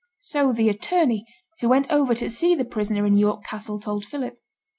So the attorney, who went over to see the prisoner in York Castle, told Philip.